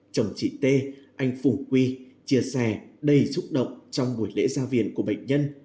chồng chị tê anh phùng quy chia sẻ đầy xúc động trong buổi lễ gia viền của bệnh nhân